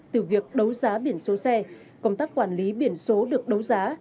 từ việc đấu giá biển số xe công tác quản lý biển số được đấu giá